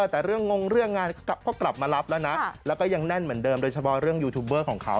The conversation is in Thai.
ช่องแน่นเหมือนเดิมโดยเฉพาะเรื่องยูทูบเบอร์ของเขา